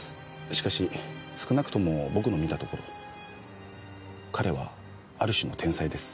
しかし少なくとも僕の見たところ彼はある種の天才です。